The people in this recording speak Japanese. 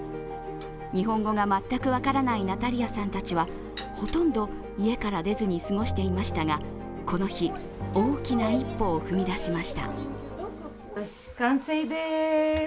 日本語が全く分からないナタリアさんたちはほとんど家から出ずに過ごしていましたが、この日、大きな一歩を踏み出しました。